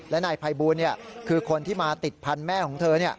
และนายภัยบูลคือคนที่มาติดพันธุ์แม่ของเธอ